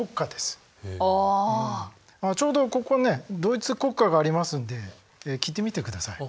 ちょうどここねドイツ国歌がありますんで聴いてみてください。